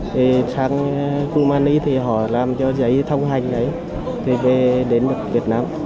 thì sang kumani thì họ làm cho giấy thông hành đấy thì về đến việt nam